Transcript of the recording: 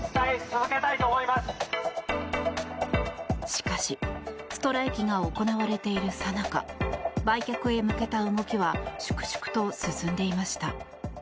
しかし、ストライキが行われているさなか売却へ向けた動きは粛々と進んでいました。